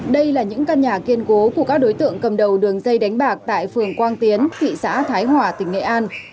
đây là những căn nhà kiên cố của các đối tượng cầm đầu đường dây đánh bạc tại phường quang tiến thị xã thái hòa tỉnh nghệ an